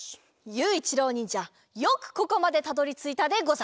ゆういちろうにんじゃよくここまでたどりついたでござる。